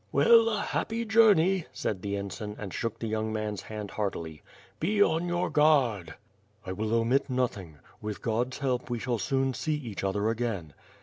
"Well, a happy journey!". said the ensign and shook the young man's hand heartily. "De on your guard!" "1 will omit nothing. With God's help, we shall soon see each other again."